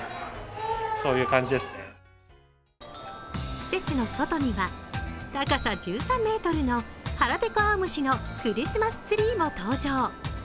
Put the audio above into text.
施設の外には高さ１３ｍのはらぺこあおむしのクリスマスツリーも登場。